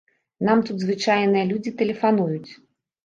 Нам тут звычайныя людзі тэлефануюць.